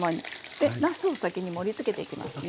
でなすを先に盛りつけていきますね。